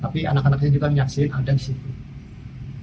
tapi anak anak saya juga menyaksikan ada di situ